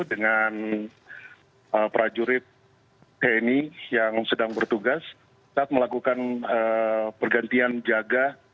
dengan prajurit tni yang sedang bertugas saat melakukan pergantian jaga